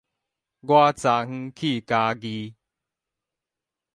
我昨昏去嘉義